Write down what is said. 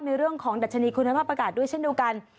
ในเรื่องของดัชนีคุณภาพอากาศด้วยเช่นเดียวกัน